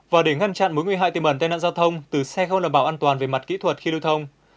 và để ngăn chặn mối nguy hại tiềm ẩn tai nạn giao thông từ xe không đảm bảo an toàn về mặt kỹ thuật khi lưu thông